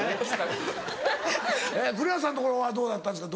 栗原さんのところはどうだったんですか？